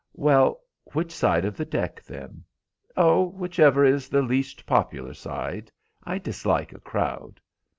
"Well, which side of the deck then?" "Oh, which ever is the least popular side. I dislike a crowd."